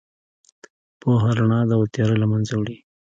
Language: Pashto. پوهه رڼا ده او تیاره له منځه وړي.